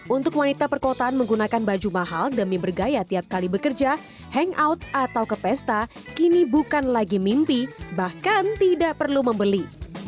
untuk wanita perkotaan menggunakan baju mahal demi bergaya tiap kali bekerja hangout atau ke pesta kini bukan lagi mimpi bahkan tidak perlu membeli